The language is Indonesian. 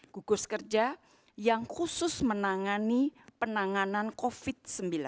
gugus kerja yang khusus menangani penanganan covid sembilan belas